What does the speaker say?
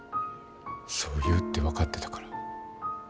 そう言うって分かってたから。